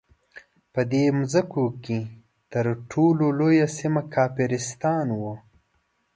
په دې مځکو کې تر ټولو لویه سیمه کافرستان وو.